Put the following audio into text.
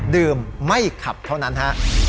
ดื่มไม่ขับเท่านั้นฮะ